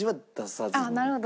あっなるほど。